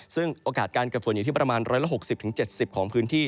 ซึ่งโอกาสการเกิดฝนอยู่ที่ประมาณ๑๖๐๗๐ของพื้นที่